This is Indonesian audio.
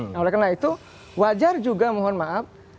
nah oleh karena itu wajar juga mohon maaf